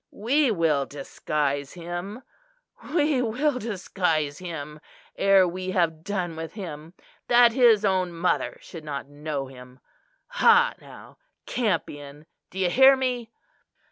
We will disguise him, we will disguise him, ere we have done with him, that his own mother should not know him. Ha, now! Campion, do you hear me?"